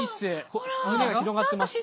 胸が広がっています。